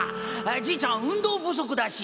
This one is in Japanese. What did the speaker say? じいちゃん運動不足だし。